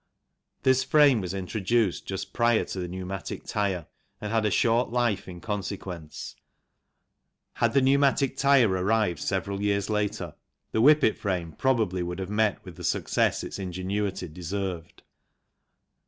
This frame was introduced just prior to the pneumatic tyre and had a short life in consequence ; had the pneumatic tyre arrived several years later the Whippet frame probably would have met with the success its ingenuity deserved.